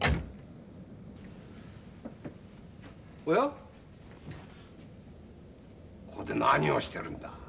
おやここで何をしてるんだ？